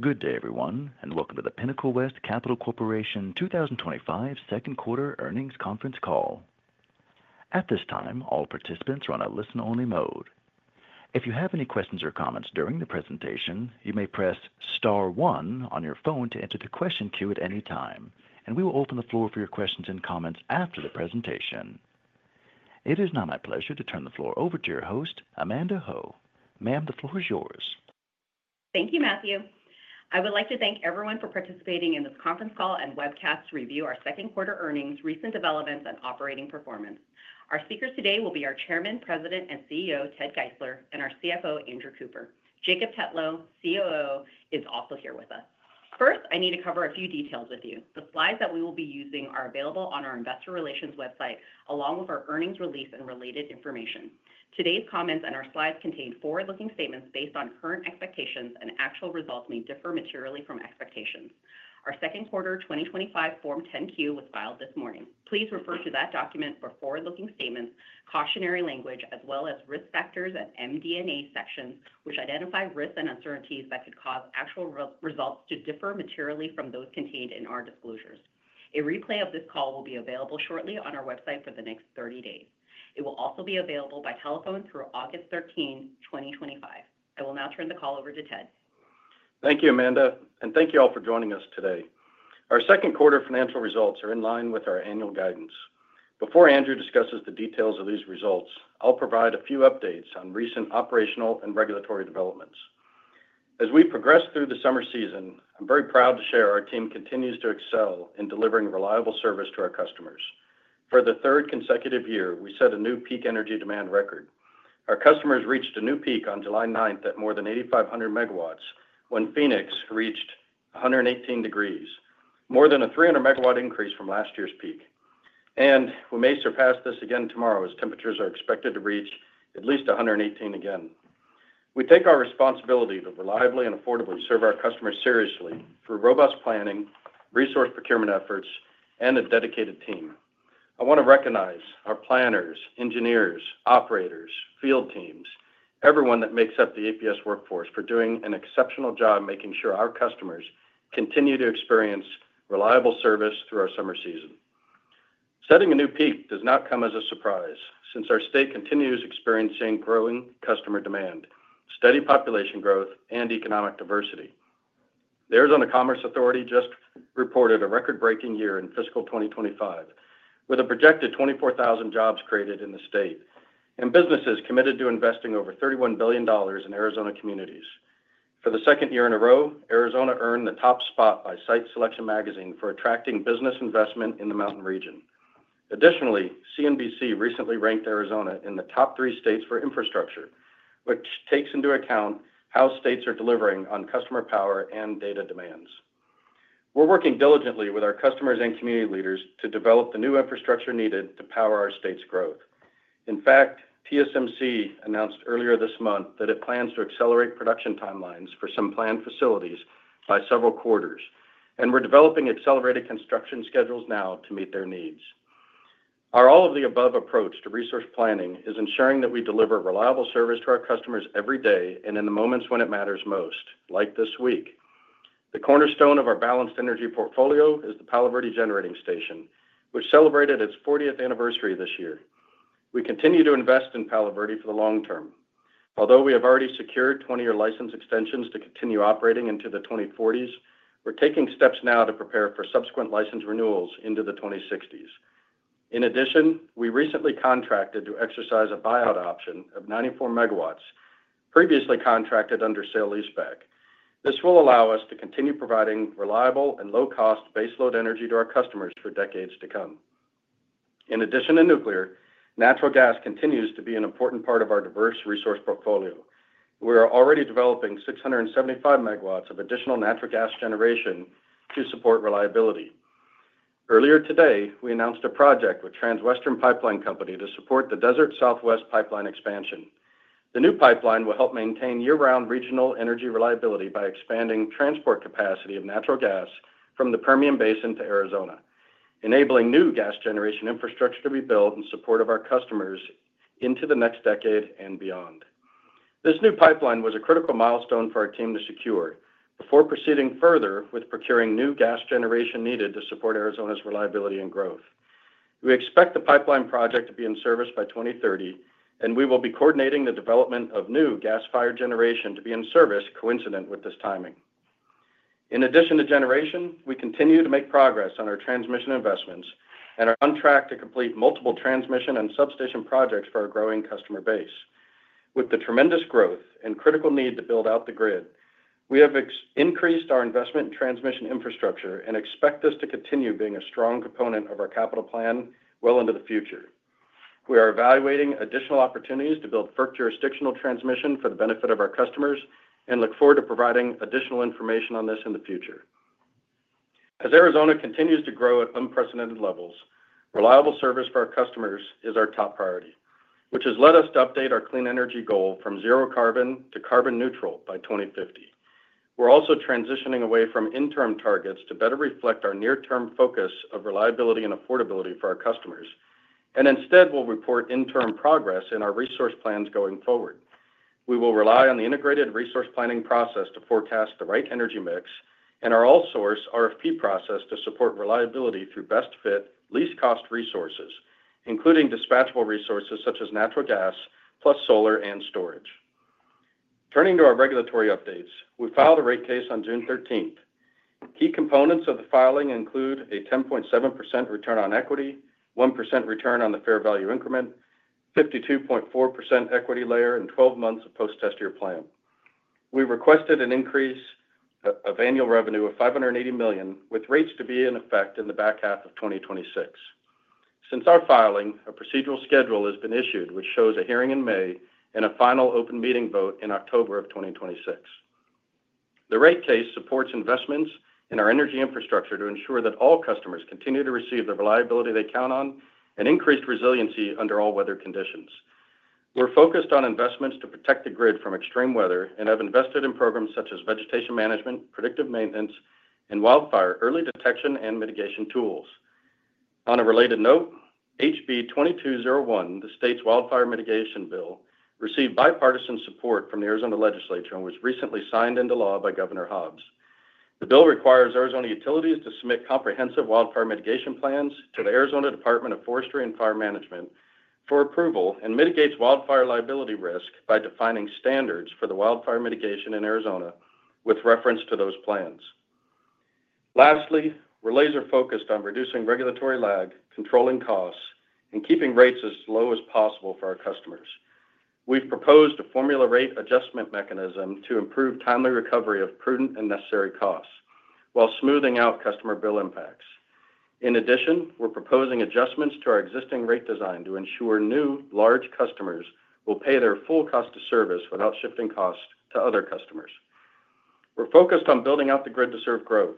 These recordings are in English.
Good day, everyone, and welcome to the Pinnacle West Capital Corporation 2025 Second Quarter Earnings Conference Call. At this time, all participants are on a listen-only mode. If you have any questions or comments during the presentation, you may press star one on your phone to enter the question queue at any time, and we will open the floor for your questions and comments after the presentation. It is now my pleasure to turn the floor over to your host, Amanda Ho. Ma'am, the floor is yours. Thank you, Matthew. I would like to thank everyone for participating in this conference call and webcast to review our second quarter earnings, recent developments, and operating performance. Our speakers today will be our Chairman, President, and CEO, Ted Geisler, and our CFO, Andrew Cooper. Jacob Tetlow, COO, is also here with us. First, I need to cover a few details with you. The slides that we will be using are available on our investor relations website, along with our earnings release and related information. Today's comments and our slides contain forward-looking statements based on current expectations, and actual results may differ materially from expectations. Our second quarter 2025 Form 10-Q was filed this morning. Please refer to that document for forward-looking statements, cautionary language, as well as risk factors and MD&A sections, which identify risks and uncertainties that could cause actual results to differ materially from those contained in our disclosures. A replay of this call will be available shortly on our website for the next 30 days. It will also be available by telephone through August 13, 2025. I will now turn the call over to Ted. Thank you, Amanda, and thank you all for joining us today. Our second quarter financial results are in line with our annual guidance. Before Andrew discusses the details of these results, I'll provide a few updates on recent operational and regulatory developments. As we progress through the summer season, I'm very proud to share our team continues to excel in delivering reliable service to our customers. For the third consecutive year, we set a new peak energy demand record. Our customers reached a new peak on July 9 at more than 8,500 MW when Phoenix reached 118 degrees, more than a 300 MW increase from last year's peak. We may surpass this again tomorrow as temperatures are expected to reach at least 118 again. We take our responsibility to reliably and affordably serve our customers seriously through robust planning, resource procurement efforts, and a dedicated team. I want to recognize our planners, engineers, operators, field teams, everyone that makes up the APS workforce for doing an exceptional job making sure our customers continue to experience reliable service through our summer season. Setting a new peak does not come as a surprise since our state continues experiencing growing customer demand, steady population growth, and economic diversity. The Arizona Commerce Authority just reported a record-breaking year in fiscal 2025 with a projected 24,000 jobs created in the state and businesses committed to investing over $31 billion in Arizona communities. For the second year in a row, Arizona earned the top spot by Site Selection Magazine for attracting business investment in the mountain region. Additionally, CNBC recently ranked Arizona in the top three states for infrastructure, which takes into account how states are delivering on customer power and data demands. We're working diligently with our customers and community leaders to develop the new infrastructure needed to power our state's growth. In fact, TSMC announced earlier this month that it plans to accelerate production timelines for some planned facilities by several quarters, and we're developing accelerated construction schedules now to meet their needs. Our all-of-the-above approach to resource planning is ensuring that we deliver reliable service to our customers every day and in the moments when it matters most, like this week. The cornerstone of our balanced energy portfolio is the Palo Verde Nuclear Generating Station, which celebrated its 40th anniversary this year. We continue to invest in Palo Verde for the long term. Although we have already secured 20-year license extensions to continue operating into the 2040s, we're taking steps now to prepare for subsequent license renewals into the 2060s. In addition, we recently contracted to exercise a buyout option of 94 MW previously contracted under sale leaseback. This will allow us to continue providing reliable and low-cost baseload energy to our customers for decades to come. In addition to nuclear, natural gas continues to be an important part of our diverse resource portfolio. We are already developing 675 MW of additional natural gas generation to support reliability. Earlier today, we announced a project with Transwestern Pipeline Company to support the Desert Southwest pipeline expansion. The new pipeline will help maintain year-round regional energy reliability by expanding transport capacity of natural gas from the Permian Basin to Arizona, enabling new gas generation infrastructure to be built in support of our customers into the next decade and beyond. This new pipeline was a critical milestone for our team to secure before proceeding further with procuring new gas generation needed to support Arizona's reliability and growth. We expect the pipeline project to be in service by 2030, and we will be coordinating the development of new gas-fired generation to be in service coincident with this timing. In addition to generation, we continue to make progress on our transmission investments and are on track to complete multiple transmission and substation projects for our growing customer base. With the tremendous growth and critical need to build out the grid, we have increased our investment in transmission infrastructure and expect this to continue being a strong component of our capital plan well into the future. We are evaluating additional opportunities to build jurisdictional transmission for the benefit of our customers and look forward to providing additional information on this in the future. As Arizona continues to grow at unprecedented levels, reliable service for our customers is our top priority, which has led us to update our clean energy goal from zero carbon to carbon neutral by 2050. We're also transitioning away from interim targets to better reflect our near-term focus of reliability and affordability for our customers, and instead will report interim progress in our resource plans going forward. We will rely on the integrated resource planning process to forecast the right energy mix and our all-source RFP process to support reliability through best-fit least-cost resources, including dispatchable resources such as natural gas plus solar and storage. Turning to our regulatory updates, we filed a rate case on June 13. Key components of the filing include a 10.7% return on equity, 1% return on the fair value increment, 52.4% equity layer, and 12 months of post-test year plan. We requested an increase of annual revenue of $580 million, with rates to be in effect in the back half of 2026. Since our filing, a procedural schedule has been issued, which shows a hearing in May and a final open meeting vote in October of 2026. The rate case supports investments in our energy infrastructure to ensure that all customers continue to receive the reliability they count on and increased resiliency under all weather conditions. We're focused on investments to protect the grid from extreme weather and have invested in programs such as vegetation management, predictive maintenance, and wildfire early detection and mitigation tools. On a related note, HB 2201, the state's wildfire mitigation bill, received bipartisan support from the Arizona legislature and was recently signed into law by Governor Hobbs. The bill requires Arizona utilities to submit comprehensive wildfire mitigation plans to the Arizona Department of Forestry and Fire Management for approval and mitigates wildfire liability risk by defining standards for the wildfire mitigation in Arizona with reference to those plans. Lastly, we're laser-focused on reducing regulatory lag, controlling costs, and keeping rates as low as possible for our customers. We've proposed a formula rate adjustment mechanism to improve timely recovery of prudent and necessary costs while smoothing out customer bill impacts. In addition, we're proposing adjustments to our existing rate design to ensure new large customers will pay their full cost of service without shifting costs to other customers. We're focused on building out the grid to serve growth,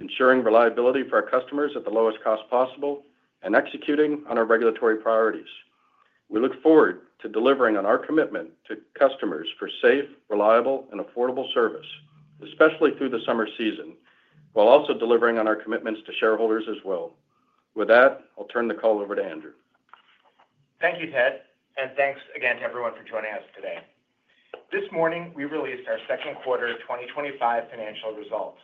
ensuring reliability for our customers at the lowest cost possible, and executing on our regulatory priorities. We look forward to delivering on our commitment to customers for safe, reliable, and affordable service, especially through the summer season, while also delivering on our commitments to shareholders as well. With that, I'll turn the call over to Andrew. Thank you, Ted, and thanks again to everyone for joining us today. This morning, we released our second quarter 2025 financial results.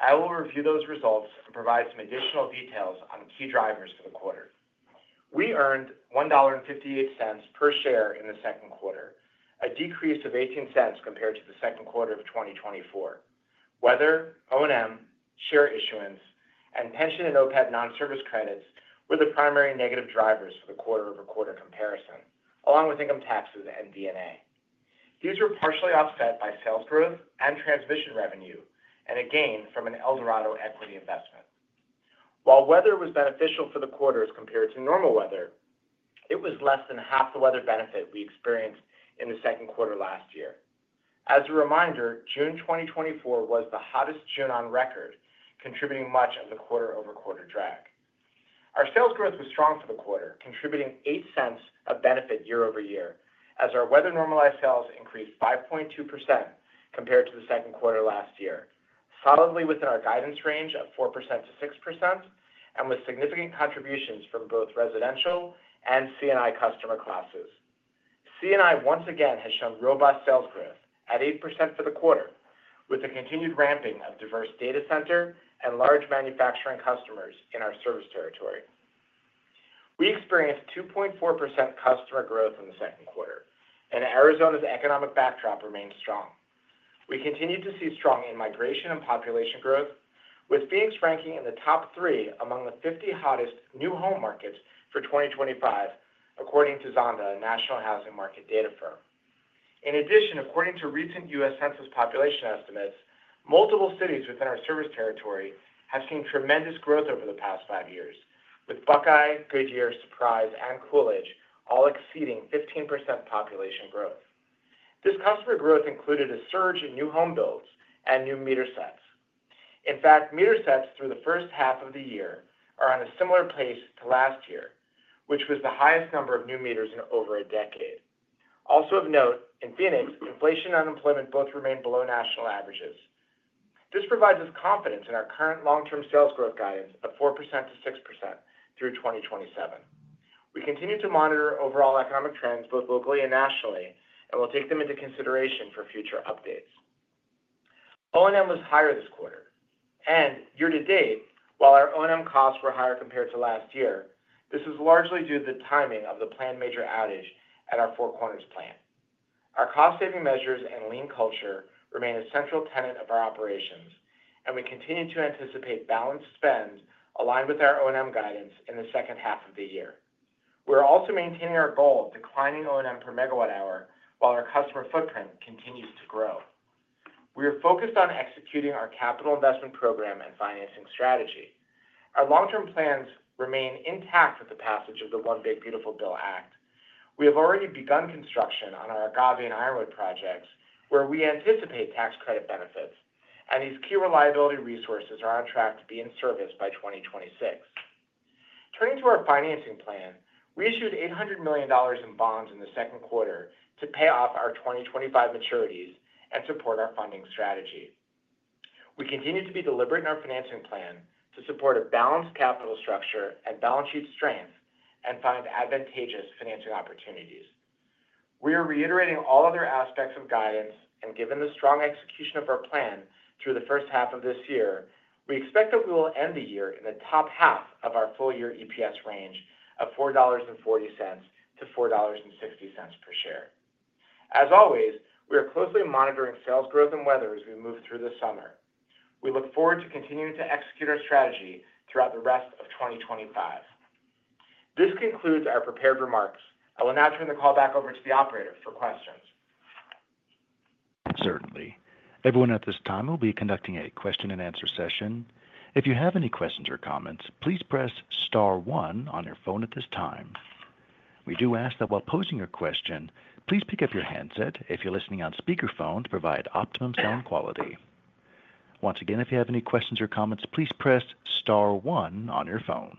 I will review those results and provide some additional details on key drivers for the quarter. We earned $1.58 per share in the second quarter, a decrease of $0.18 compared to the second quarter of 2024. Weather, O&M, share issuance, and pension and OPEB non-service credits were the primary negative drivers for the quarter-over-quarter comparison, along with income taxes and D&A. These were partially offset by sales growth and transmission revenue and a gain from an Eldorado equity investment. While weather was beneficial for the quarter as compared to normal weather, it was less than half the weather benefit we experienced in the second quarter last year. As a reminder, June 2024 was the hottest June on record, contributing much of the quarter-over-quarter drag. Our sales growth was strong for the quarter, contributing $0.08 of benefit year over year, as our weather-normalized sales increased 5.2% compared to the second quarter last year, solidly within our guidance range of 4%-6% and with significant contributions from both residential and C&I customer classes. C&I once again has shown robust sales growth at 8% for the quarter, with the continued ramping of diverse data center and large manufacturing customers in our service territory. We experienced 2.4% customer growth in the second quarter, and Arizona's economic backdrop remains strong. We continue to see strong in-migration and population growth, with Phoenix ranking in the top three among the 50 hottest new home markets for 2025, according to Zonda, a national housing market data firm. In addition, according to recent U.S. Census population estimates, multiple cities within our service territory have seen tremendous growth over the past five years, with Buckeye, Goodyear, Surprise, and Coolidge all exceeding 15% population growth. This customer growth included a surge in new home builds and new meter sets. In fact, meter sets through the first half of the year are in a similar place to last year, which was the highest number of new meters in over a decade. Also of note, in Phoenix, inflation and unemployment both remain below national averages. This provides us confidence in our current long-term sales growth guidance of 4%-6% through 2027. We continue to monitor overall economic trends both locally and nationally, and we'll take them into consideration for future updates. O&M was higher this quarter, and year to date, while our O&M costs were higher compared to last year, this was largely due to the timing of the planned major outage and our Four Corners Power Plant. Our cost-saving measures and lean culture remain a central tenet of our operations, and we continue to anticipate balanced spend aligned with our O&M guidance in the second half of the year. We're also maintaining our goal of declining O&M per megawatt hour while our customer footprint continues to grow. We are focused on executing our capital investment program and financing strategy. Our long-term plans remain intact with the passage of the One Big Beautiful Bill Act. We have already begun construction on our Agave and Iroquois projects where we anticipate tax credit benefits, and these key reliability resources are on track to be in service by 2026. Turning to our financing plan, we issued $800 million in bonds in the second quarter to pay off our 2025 maturities and support our funding strategy. We continue to be deliberate in our financing plan to support a balanced capital structure at balance sheet strength and find advantageous financing opportunities. We are reiterating all other aspects of guidance, and given the strong execution of our plan through the first half of this year, we expect that we will end the year in the top half of our full-year EPS range of $4.40-$4.60 per share. As always, we are closely monitoring sales growth and weather as we move through the summer. We look forward to continuing to execute our strategy throughout the rest of 2025. This concludes our prepared remarks. I will now turn the call back over to the operator for questions. Certainly. Everyone at this time will be conducting a question and answer session. If you have any questions or comments, please press star one on your phone at this time. We do ask that while posing your question, please pick up your headset if you're listening on speakerphone to provide optimum sound quality. Once again, if you have any questions or comments, please press star one on your phone.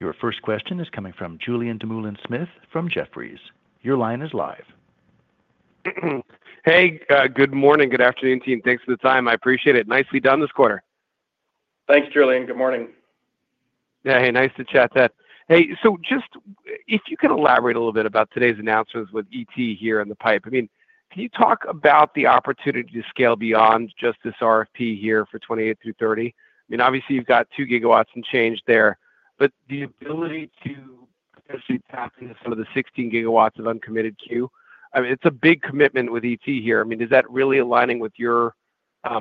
Your first question is coming from Julien Dumoulin-Smith from Jefferies. Your line is live. Hey, good morning, good afternoon, team. Thanks for the time. I appreciate it. Nicely done this quarter. Thanks, Julien. Good morning. Yeah, hey, nice to chat. Hey, if you can elaborate a little bit about today's announcements with ET here in the pipe, can you talk about the opportunity to scale beyond just this RFP here for 2028 through 2030? Obviously, you've got 2 GW and change there, but the ability to potentially tap into some of the 16 GW of uncommitted queue, it's a big commitment with ET here. Is that really aligning with your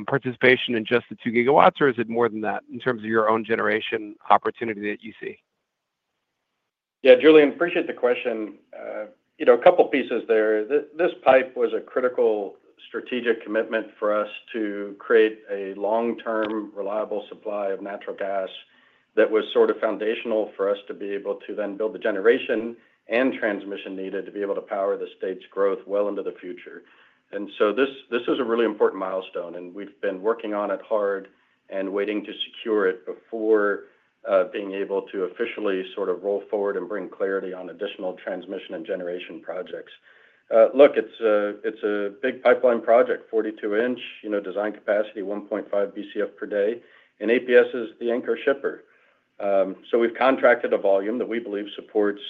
participation in just the 2 GW, or is it more than that in terms of your own generation opportunity that you see? Yeah, Julien, appreciate the question. You know, a couple of pieces there. This pipe was a critical strategic commitment for us to create a long-term reliable supply of natural gas that was sort of foundational for us to be able to then build the generation and transmission needed to be able to power the state's growth well into the future. This is a really important milestone, and we've been working on it hard and waiting to secure it before being able to officially sort of roll forward and bring clarity on additional transmission and generation projects. It's a big pipeline project, 42-inch, you know, design capacity 1.5 BCF per day, and APS is the anchor shipper. We've contracted a volume that we believe supports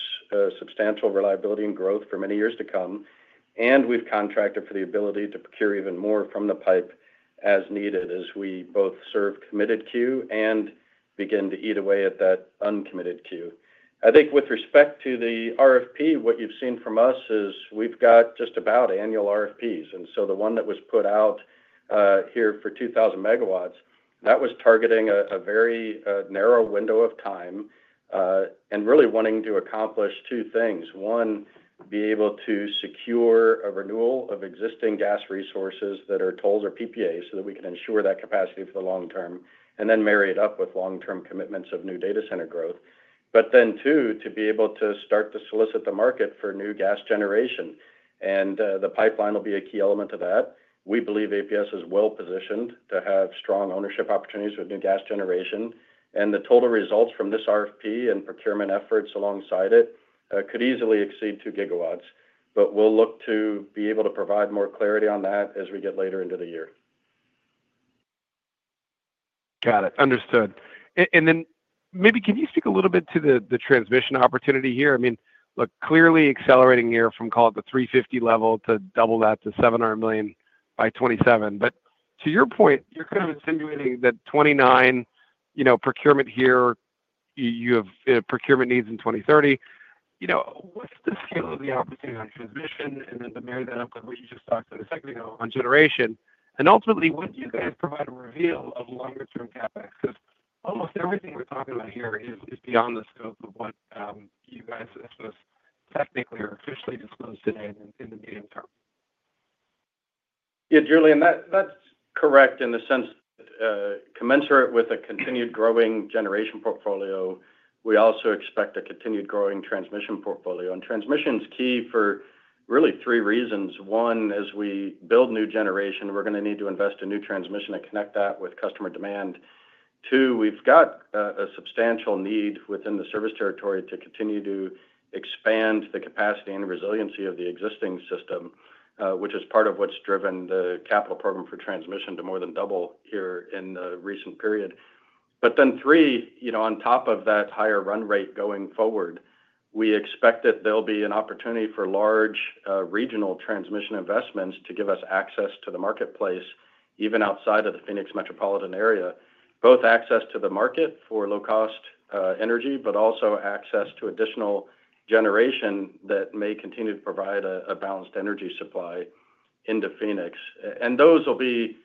substantial reliability and growth for many years to come, and we've contracted for the ability to procure even more from the pipe as needed as we both serve committed queue and begin to eat away at that uncommitted queue. I think with respect to the RFP, what you've seen from us is we've got just about annual RFPs. The one that was put out here for 2,000 MW, that was targeting a very narrow window of time and really wanting to accomplish two things. One, be able to secure a renewal of existing gas resources that are tolls or PPAs so that we can ensure that capacity for the long term and then marry it up with long-term commitments of new data center growth. Two, to be able to start to solicit the market for new gas generation. The pipeline will be a key element to that. We believe APS is well positioned to have strong ownership opportunities with new gas generation. The total results from this RFP and procurement efforts alongside it could easily exceed 2 GW, but we'll look to be able to provide more clarity on that as we get later into the year. Got it. Understood. Maybe can you speak a little bit to the transmission opportunity here? I mean, clearly accelerating here from, call it, the $350 million level to double that to $700 million by 2027. To your point, you're kind of insinuating that 2029, you know, procurement here, you have procurement needs in 2030. What's the scale of the opportunity on transmission and then the man that up with what you just talked about a second ago on generation? Ultimately, what do you guys provide, a reveal of longer-term CapEx? Because almost everything we're talking about here is beyond the scope of what you guys think was technically or officially disclosed today in the meeting room. Yeah, Julien, that's correct in the sense commensurate with a continued growing generation portfolio. We also expect a continued growing transmission portfolio. Transmission is key for really three reasons. One, as we build new generation, we're going to need to invest in new transmission and connect that with customer demand. Two, we've got a substantial need within the service territory to continue to expand the capacity and resiliency of the existing system, which is part of what's driven the capital program for transmission to more than double here in the recent period. Three, on top of that higher run rate going forward, we expect that there'll be an opportunity for large regional transmission investments to give us access to the marketplace, even outside of the Phoenix metropolitan area, both access to the market for low-cost energy, but also access to additional generation that may continue to provide a balanced energy supply into Phoenix. Those will be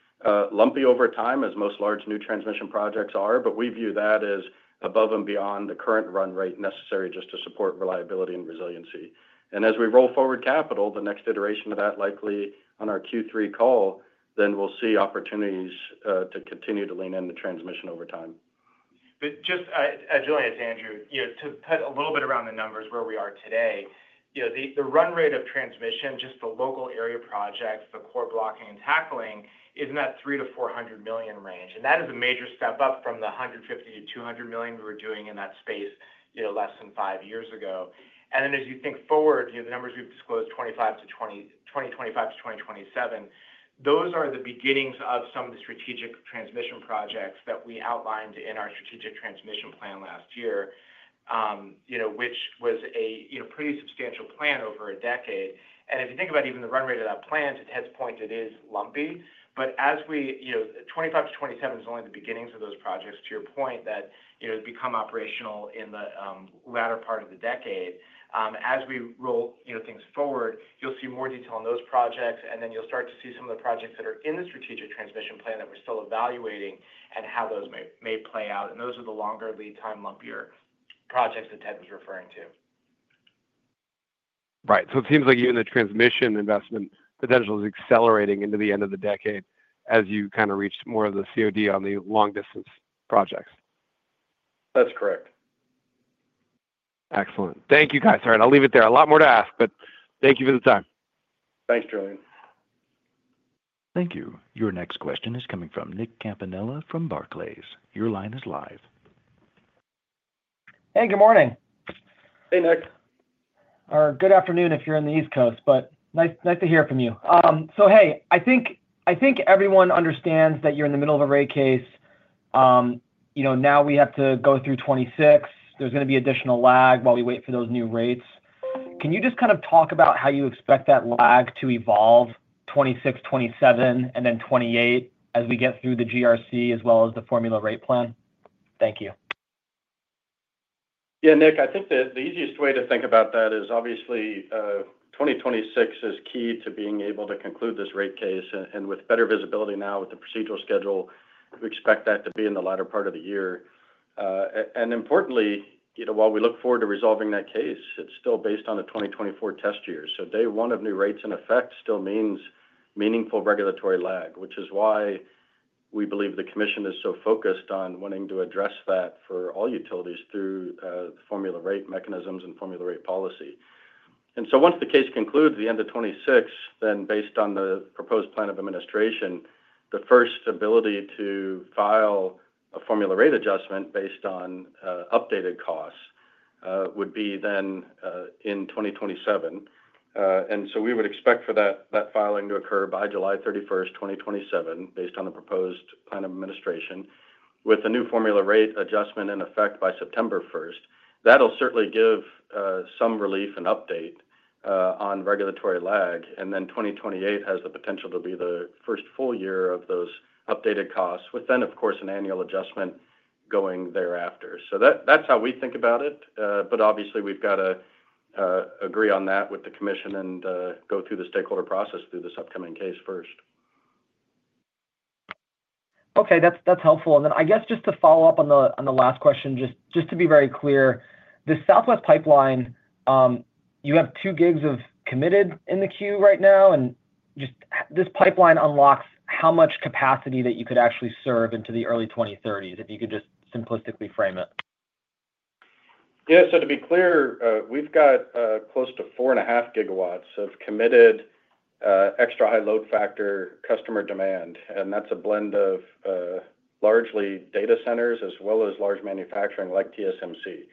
lumpy over time, as most large new transmission projects are, but we view that as above and beyond the current run rate necessary just to support reliability and resiliency. As we roll forward capital, the next iteration of that likely on our Q3 call, we'll see opportunities to continue to lean into transmission over time. Julien, it's Andrew, to put a little bit around the numbers where we are today, the run rate of transmission, just the local area projects, the core blocking and tackling, is in that $300 million-$400 million range. That is a major step up from the $150 million-$200 million we were doing in that space less than five years ago. As you think forward, the numbers we've disclosed for 2025-2027 are the beginnings of some of the strategic transmission projects that we outlined in our strategic transmission plan last year, which was a pretty substantial plan over a decade. If you think about even the run rate of that plan to its point, it is lumpy. As we look at 2025-2027, it is only the beginnings of those projects, to your point, that become operational in the latter part of the decade. As we roll things forward, you'll see more detail on those projects, and you'll start to see some of the projects that are in the strategic transmission plan that we're still evaluating and how those may play out. Those are the longer lead time, lumpier projects that Ted was referring to. Right. It seems like even the transmission investment potential is accelerating into the end of the decade as you kind of reach more of the COD on the long-distance projects. That's correct. Excellent. Thank you, guys. All right, I'll leave it there. A lot more to ask, but thank you for the time. Thanks, Julian. Thank you. Your next question is coming from Nicholas Campanella from Barclays. Your line is live. Hey, good morning. Hey, Nick. Good afternoon if you're on the East Coast, but nice to hear from you. I think everyone understands that you're in the middle of a rate case. You know, now we have to go through 2026. There's going to be additional lag while we wait for those new rates. Can you just kind of talk about how you expect that lag to evolve 2026, 2027, and then 2028 as we get through the GRC as well as the formula rate plan? Thank you. Yeah, Nick, I think that the easiest way to think about that is obviously 2026 is key to being able to conclude this rate case. With better visibility now with the procedural schedule, we expect that to be in the latter part of the year. Importantly, you know, while we look forward to resolving that case, it's still based on a 2024 test year. Day one of new rates in effect still means meaningful regulatory lag, which is why we believe the commission is so focused on wanting to address that for all utilities through the formula rate mechanisms and formula rate policy. Once the case concludes the end of 2026, then based on the proposed plan of administration, the first ability to file a formula rate adjustment based on updated costs would be then in 2027. We would expect for that filing to occur by July 31, 2027, based on the proposed plan of administration with a new formula rate adjustment in effect by September 1. That'll certainly give some relief and update on regulatory lag. 2028 has the potential to be the first full year of those updated costs with then, of course, an annual adjustment going thereafter. That's how we think about it. Obviously, we've got to agree on that with the commission and go through the stakeholder process through this upcoming case first. Okay, that's helpful. Just to follow-up on the last question, just to be very clear, the Southwest pipeline, you have two GW of committed in the queue right now. This pipeline unlocks how much capacity that you could actually serve into the early 2030s, if you could just simplistically frame it. Yeah, to be clear, we've got close to 4.5 GW of committed extra high load factor customer demand. That's a blend of largely data centers as well as large manufacturing like TSMC.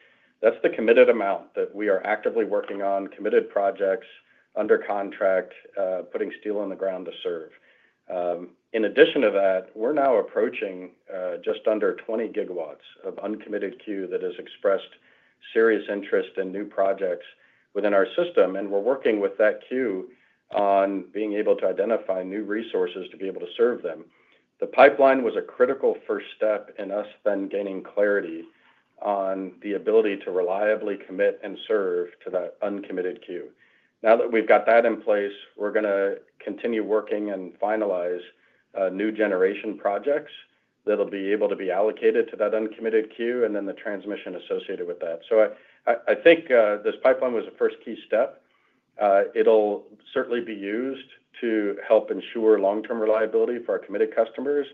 That's the committed amount that we are actively working on, committed projects under contract, putting steel in the ground to serve. In addition to that, we're now approaching just under 20 GW of uncommitted queue that has expressed serious interest in new projects within our system. We're working with that queue on being able to identify new resources to be able to serve them. The pipeline was a critical first step in us then gaining clarity on the ability to reliably commit and serve to that uncommitted queue. Now that we've got that in place, we're going to continue working and finalize new generation projects that'll be able to be allocated to that uncommitted queue and then the transmission associated with that. I think this pipeline was the first key step. It'll certainly be used to help ensure long-term reliability for our committed customers.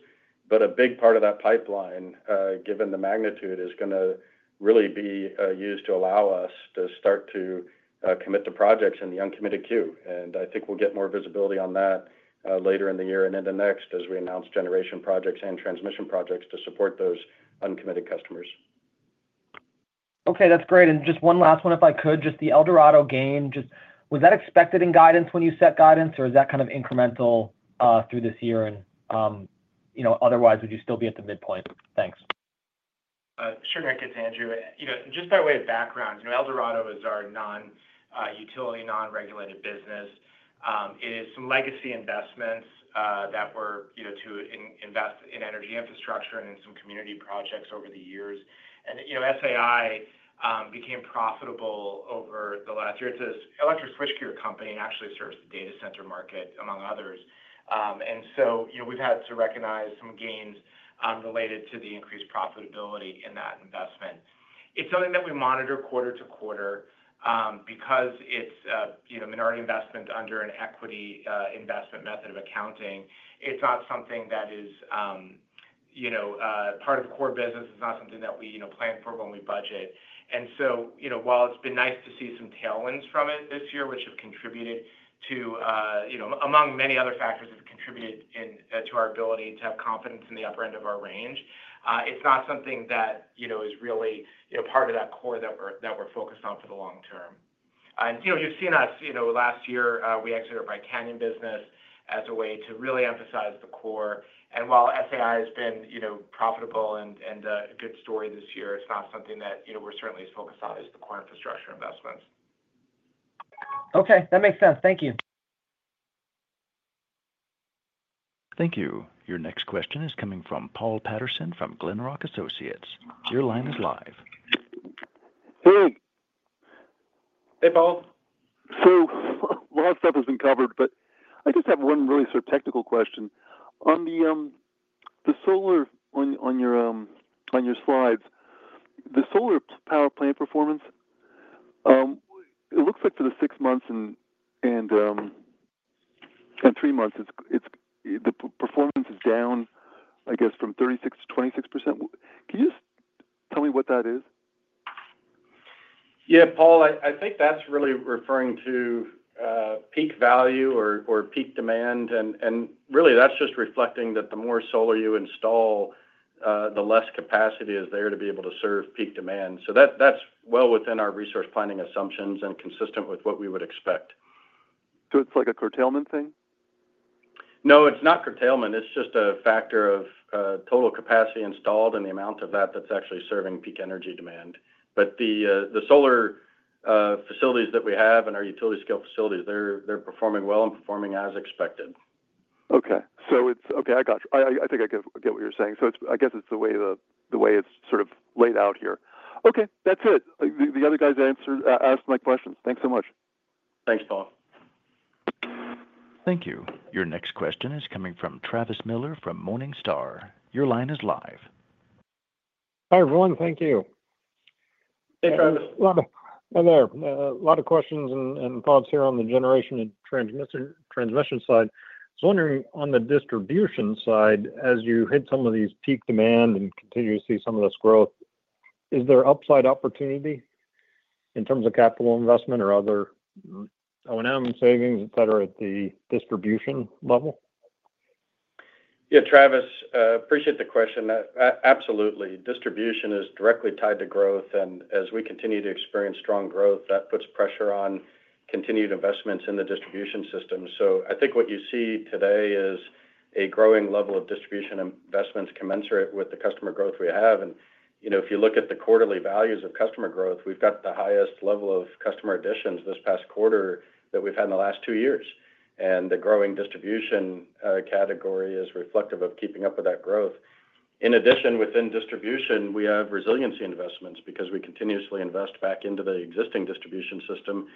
A big part of that pipeline, given the magnitude, is going to really be used to allow us to start to commit the projects in the uncommitted queue. I think we'll get more visibility on that later in the year and into next as we announce generation projects and transmission projects to support those uncommitted customers. Okay, that's great. Just one last one, if I could, the Eldorado game, was that expected in guidance when you set guidance, or is that kind of incremental through this year? Otherwise, would you still be at the midpoint? Thanks. Sure, Nick, it's Andrew. Just by way of background, Eldorado is our non-utility, non-regulated business. It is some legacy investments that were to invest in energy infrastructure and in some community projects over the years. SAI became profitable over the last year. It's an electric switch gear company and actually serves the data center market, among others. We've had to recognize some gains related to the increased profitability in that investment. It's something that we monitor quarter to quarter because it's a minority investment under an equity investment method of accounting. It's not something that is part of the core business. It's not something that we plan for when we budget. While it's been nice to see some tailwinds from it this year, which have contributed to, among many other factors, our ability to have confidence in the upper end of our range, it's not something that is really part of that core that we're focused on for the long term. You've seen us last year, we exited our bicanyon business as a way to really emphasize the core. While SAI has been profitable and a good story this year, it's not something that we're certainly as focused on as the core infrastructure investments. Okay, that makes sense. Thank you. Thank you. Your next question is coming from Paul Patterson from Glenrock Associates. Your line is live. Hey, Paul. Last step has been covered, but I just have one really sort of technical question. On the solar on your slides, the solar power plant performance, it looks like for the six months and three months, the performance is down, I guess, from 36%-26%. Can you just tell me what that is? Yeah, Paul, I think that's really referring to peak value or peak demand. That's just reflecting that the more solar you install, the less capacity is there to be able to serve peak demand. That's well within our resource planning assumptions and consistent with what we would expect. It's like a curtailment thing? No, it's not curtailment. It's just a factor of total capacity installed and the amount of that that's actually serving peak energy demand. The solar facilities that we have and our utility-scale facilities, they're performing well and performing as expected. Okay, I got you. I think I get what you're saying. I guess it's the way it's sort of laid out here. That's it. The other guys answered, asked my question. Thanks so much. Thanks, Paul. Thank you. Your next question is coming from Travis Miller from Morningstar. Your line is live. Hi, everyone. Thank you. Hey, Travis. There are a lot of questions and thoughts here on the generation and transmission side. I was wondering, on the distribution side, as you hit some of these peak demand and continue to see some of this growth, is there upside opportunity in terms of capital investment or other O&M savings, etc., at the distribution level? Yeah, Travis, I appreciate the question. Absolutely. Distribution is directly tied to growth. As we continue to experience strong growth, that puts pressure on continued investments in the distribution system. I think what you see today is a growing level of distribution investments commensurate with the customer growth we have. If you look at the quarterly values of customer growth, we've got the highest level of customer additions this past quarter that we've had in the last two years. The growing distribution category is reflective of keeping up with that growth. In addition, within distribution, we have resiliency investments because we continuously invest back into the existing distribution system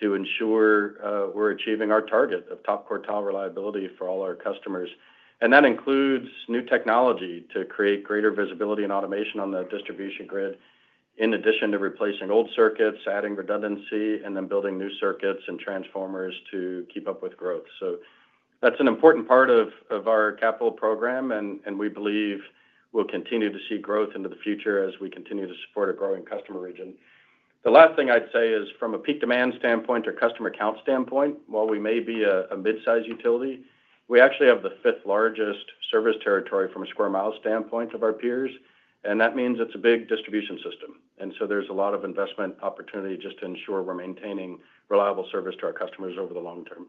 to ensure we're achieving our target of top quartile reliability for all our customers. That includes new technology to create greater visibility and automation on the distribution grid, in addition to replacing old circuits, adding redundancy, and then building new circuits and transformers to keep up with growth. That's an important part of our capital program. We believe we'll continue to see growth into the future as we continue to support a growing customer region. The last thing I'd say is from a peak demand standpoint or customer count standpoint, while we may be a mid-size utility, we actually have the fifth largest service territory from a square mile standpoint of our peers. That means it's a big distribution system, and there's a lot of investment opportunity just to ensure we're maintaining reliable service to our customers over the long term.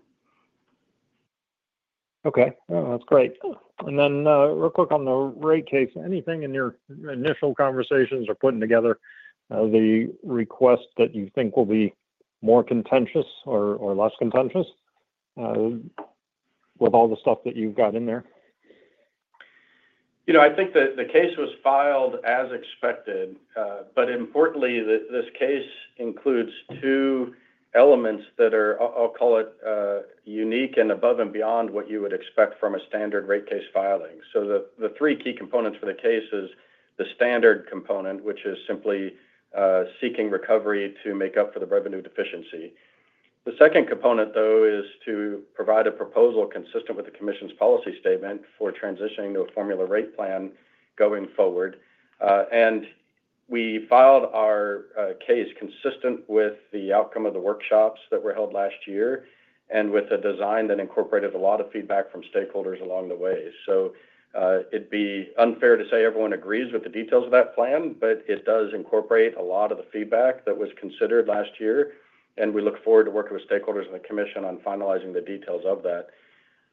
Okay. That's great. Real quick on the rate case, anything in your initial conversations or putting together the request that you think will be more contentious or less contentious with all the stuff that you've got in there? I think that the case was filed as expected. Importantly, this case includes two elements that are, I'll call it, unique and above and beyond what you would expect from a standard rate case filing. The three key components for the case are the standard component, which is simply seeking recovery to make up for the revenue deficiency. The second component is to provide a proposal consistent with the commission's policy statement for transitioning to a formula rate plan going forward. We filed our case consistent with the outcome of the workshops that were held last year and with a design that incorporated a lot of feedback from stakeholders along the way. It would be unfair to say everyone agrees with the details of that plan, but it does incorporate a lot of the feedback that was considered last year. We look forward to working with stakeholders and the commission on finalizing the details of that.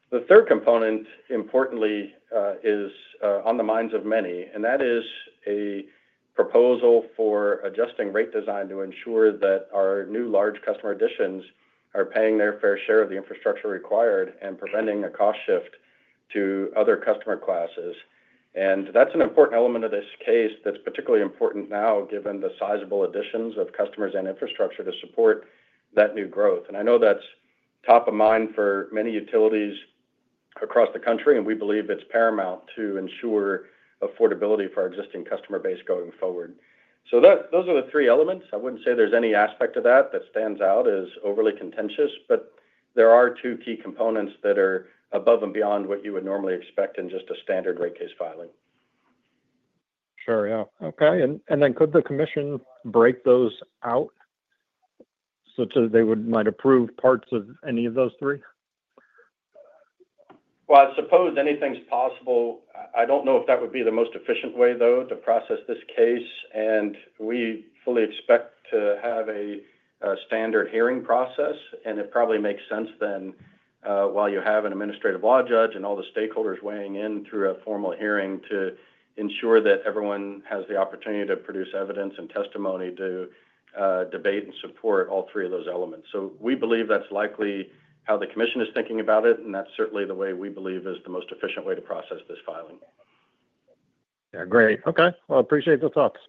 The third component, importantly, is on the minds of many, and that is a proposal for adjusting rate design to ensure that our new large customer additions are paying their fair share of the infrastructure required and preventing a cost shift to other customer classes. That's an important element of this case that's particularly important now given the sizable additions of customers and infrastructure to support that new growth. I know that's top of mind for many utilities across the country, and we believe it's paramount to ensure affordability for our existing customer base going forward. Those are the three elements. I wouldn't say there's any aspect of that that stands out as overly contentious, but there are two key components that are above and beyond what you would normally expect in just a standard rate case filing. Sure, yeah. Okay. Could the commission break those out so that they might approve parts of any of those three? I suppose anything's possible. I don't know if that would be the most efficient way, though, to process this case. We fully expect to have a standard hearing process. It probably makes sense, while you have an Administrative Law Judge and all the stakeholders weighing in through a formal hearing, to ensure that everyone has the opportunity to produce evidence and testimony to debate and support all three of those elements. We believe that's likely how the commission is thinking about it. That's certainly the way we believe is the most efficient way to process this filing. Yeah, great. Okay. I appreciate the thoughts.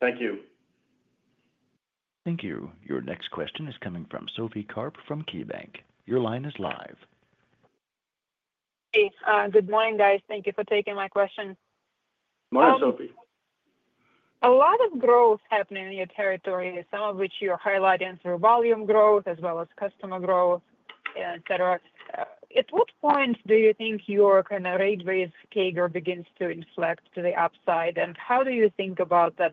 Thank you. Thank you. Your next question is coming from Sophie Karp from KeyBank. Your line is live. Hey, good morning, guys. Thank you for taking my question. Morning, Sophie. A lot of growth happening in your territory, some of which you're highlighting through volume growth as well as customer growth, etc. At what point do you think your kind of rate-based cater begins to inflect to the upside? How do you think about the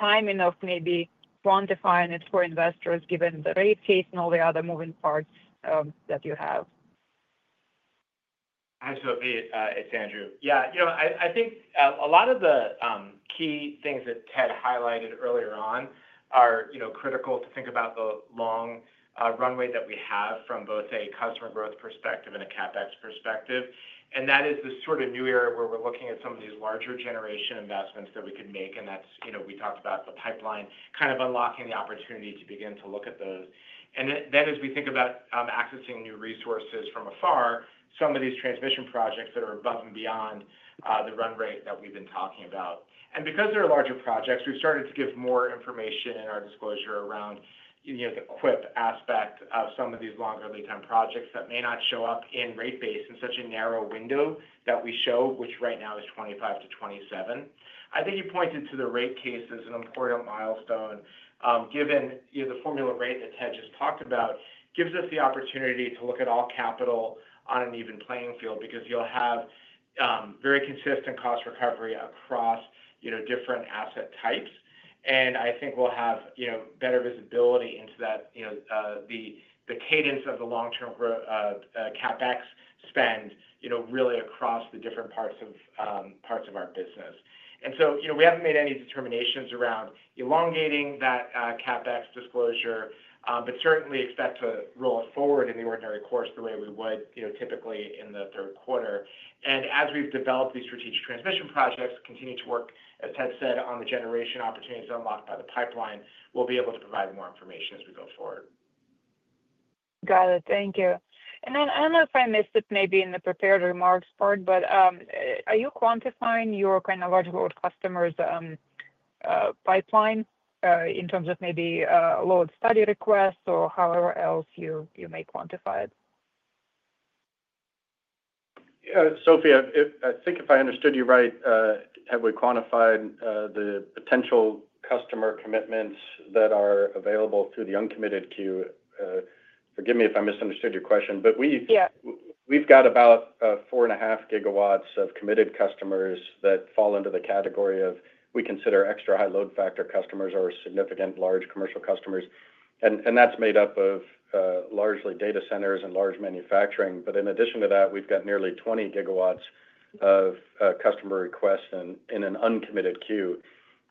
timing of maybe quantifying it for investors, given the rate case and all the other moving parts that you have? Absolutely, it's Andrew. I think a lot of the key things that Ted highlighted earlier on are critical to think about the long runway that we have from both a customer growth perspective and a CapEx perspective. That is the sort of new era where we're looking at some of these larger generation investments that we could make. We talked about the pipeline kind of unlocking the opportunity to begin to look at those. As we think about accessing new resources from afar, some of these transmission projects are above and beyond the run rate that we've been talking about. Because there are larger projects, we've started to give more information in our disclosure around the quip aspect of some of these longer lead-time projects that may not show up in rate base in such a narrow window that we show, which right now is 2025 to 2027. I think you pointed to the rate case as an important milestone, given the formula rate that Ted just talked about, which gives us the opportunity to look at all capital on an even playing field because you'll have very consistent cost recovery across different asset types. I think we'll have better visibility into the cadence of the long-term growth, CapEx spend, really across the different parts of our business. We haven't made any determinations around elongating that CapEx disclosure, but certainly expect to roll it forward in the ordinary course the way we would typically in the third quarter. As we've developed these strategic transmission projects and continue to work, as Ted said, on the generation opportunities unlocked by the pipeline, we'll be able to provide more information as we go forward. Got it. Thank you. I don't know if I missed it maybe in the prepared remarks part, but are you quantifying your kind of large world customers' pipeline in terms of maybe load study requests or however else you may quantify it? Sophie, I think if I understood you right, have we quantified the potential customer commitments that are available through the uncommitted queue? Forgive me if I misunderstood your question, but we've got about 4.5 GW of committed customers that fall into the category of what we consider extra high load factor customers or significant large commercial customers. That's made up of largely data centers and large manufacturing. In addition to that, we've got nearly 20 GW of customer requests in an uncommitted queue.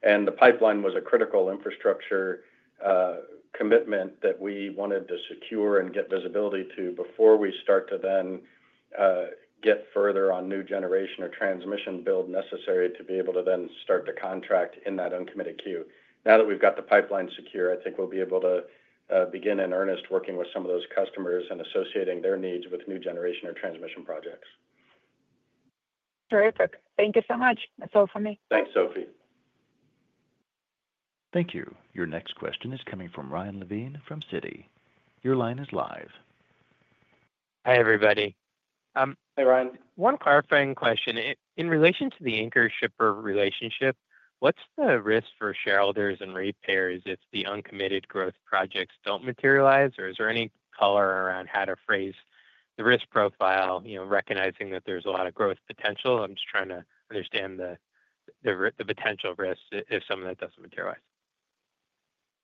The pipeline was a critical infrastructure commitment that we wanted to secure and get visibility to before we start to get further on new generation or transmission build necessary to be able to start to contract in that uncommitted queue. Now that we've got the pipeline secure, I think we'll be able to begin in earnest working with some of those customers and associating their needs with new generation or transmission projects. Terrific. Thank you so much, Sophie. Thanks, Sophie. Thank you. Your next question is coming from Ryan Levine from Citi. Your line is live. Hey, everybody. Hey, Ryan. One clarifying question. In relation to the anchor shipper relationship, what's the risk for shareholders and repairs if the uncommitted growth projects don't materialize, or is there any color around how to phrase the risk profile, recognizing that there's a lot of growth potential? I'm just trying to understand the potential risks if some of that doesn't materialize.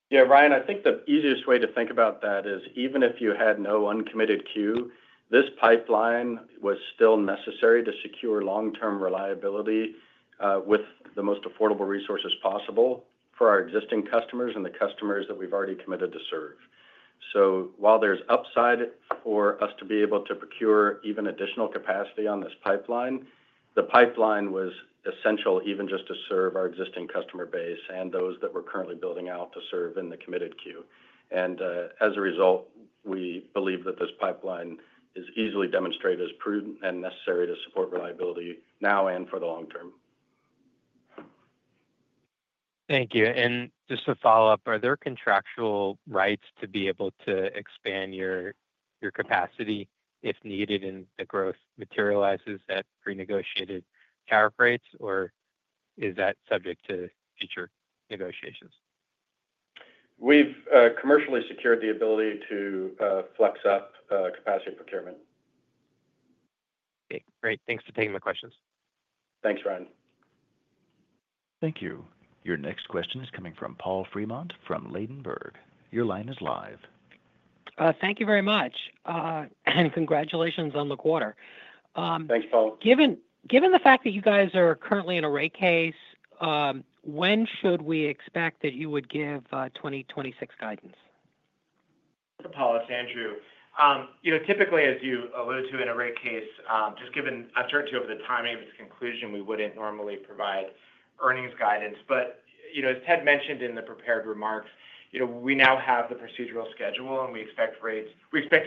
Yeah, Ryan, I think the easiest way to think about that is even if you had no uncommitted queue, this pipeline was still necessary to secure long-term reliability with the most affordable resources possible for our existing customers and the customers that we've already committed to serve. While there's upside for us to be able to procure even additional capacity on this pipeline, the pipeline was essential even just to serve our existing customer base and those that we're currently building out to serve in the committed queue. As a result, we believe that this pipeline is easily demonstrated as prudent and necessary to support reliability now and for the long term. Thank you. Just to follow-up, are there contractual rights to be able to expand your capacity if needed and the growth materializes at pre-negotiated tariff rates, or is that subject to future negotiations? We've commercially secured the ability to flex up capacity and procurement. Great. Thanks for taking my questions. Thanks, Ryan. Thank you. Your next question is coming from Paul Fremont from Ladenburg. Your line is live. Thank you very much. Congratulations on the quarter. Thanks, Paul. Given the fact that you guys are currently in a rate case, when should we expect that you would give 2026 guidance? Paul, its Andrew. Typically, as you alluded to in a rate case, just given uncertainty over the timing of its conclusion, we wouldn't normally provide earnings guidance. As Ted mentioned in the prepared remarks, we now have the procedural schedule, and we expect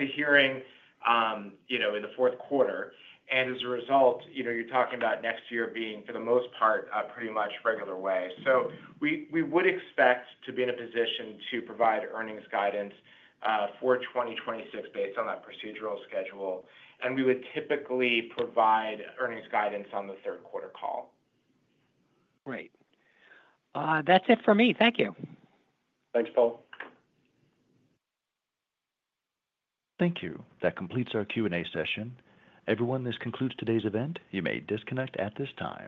a hearing in the fourth quarter. As a result, you're talking about next year being, for the most part, a pretty much regular way. We would expect to be in a position to provide earnings guidance for 2026 based on that procedural schedule. We would typically provide earnings guidance on the third quarter call. Great. That's it for me. Thank you. Thanks, Paul. Thank you. That completes our Q&A session. Everyone, this concludes today's event. You may disconnect at this time.